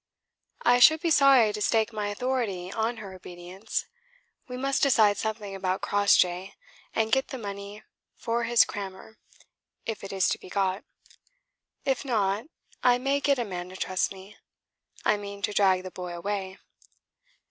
"I should be sorry to stake my authority on her obedience. We must decide something about Crossjay, and get the money for his crammer, if it is to be got. If not, I may get a man to trust me. I mean to drag the boy away.